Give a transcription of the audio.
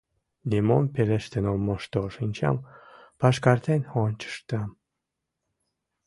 Нимом пелештен ом мошто, шинчам пашкартен ончыштам.